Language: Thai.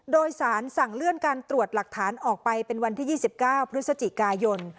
โดยสารสั่งเลื่อนการตรวจหลักฐานออกไปเป็นวันที่๒๙พฤศจิกายน